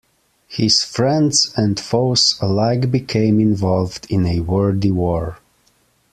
His friends and foes alike became involved in a wordy war.